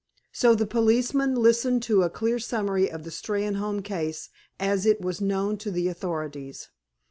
So the policeman listened to a clear summary of the Steynholme case as it was known to the authorities.